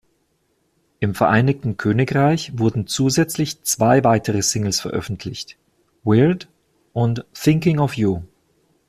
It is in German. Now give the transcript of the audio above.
Im Vereinigten Königreich wurden zusätzlich zwei weitere Singles veröffentlicht: "Weird" und "Thinking Of You".